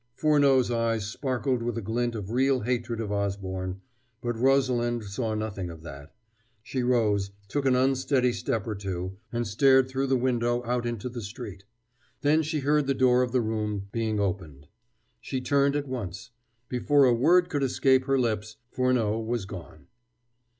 Furneaux's eyes sparkled with a glint of real hatred of Osborne, but Rosalind saw nothing of that. She rose, took an unsteady step or two, and stared through the window out into the street. Then she heard the door of the room being opened. She turned at once. Before a word could escape her lips, Furneaux was gone.